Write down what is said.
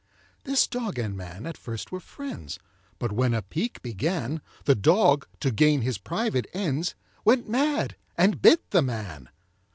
This dog and man at first were friends; But when a pique began, The dog, to gain his private ends, Went mad, and bit the man.